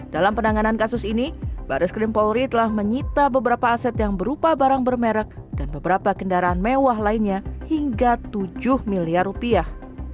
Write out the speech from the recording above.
dalam penanganan kasus ini baris krim polri telah menyita beberapa aset yang berupa barang bermerek dan beberapa kendaraan mewah lainnya hingga tujuh miliar rupiah